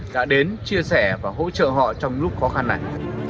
đã đến chia sẻ và hỗ trợ họ trong lúc khó khăn này